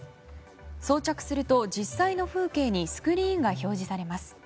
装着すると、実際の風景にスクリーンが表示されます。